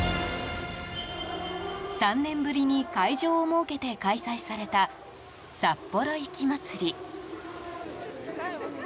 ３年ぶりに会場を設けて開催された、さっぽろ雪まつり。